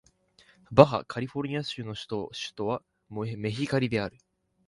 バハ・カリフォルニア州の州都はメヒカリである